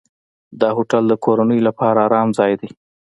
دا هوټل د کورنیو لپاره آرام ځای دی.